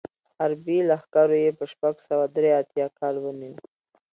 عربي لښکرو یې په شپږ سوه درې اتیا کال ونیو.